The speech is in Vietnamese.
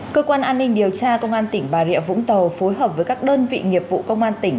cơ quan an ninh điều tra công an tỉnh bà rịa vũng tàu phối hợp với các đơn vị nghiệp vụ công an tỉnh